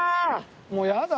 もうやだ。